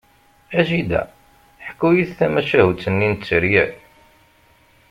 A jida, ḥku-iyi-d tamacahut-nni n teryel!